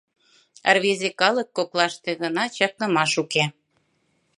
Рвезе калык коклаште гына чакнымаш уке.